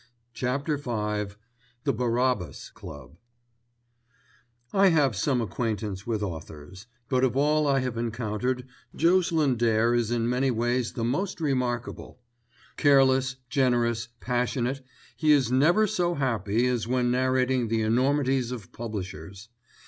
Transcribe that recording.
*CHAPTER V* *THE BARABBAS CLUB* I have some acquaintance with authors; but of all I have encountered Jocelyn Dare is in many ways the most remarkable. Careless, generous, passionate, he is never so happy as when narrating the enormities of publishers.